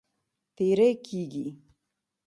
تېری کیږي.